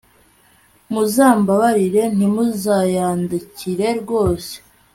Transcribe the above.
muzambabarire ntimuziyandarike rwose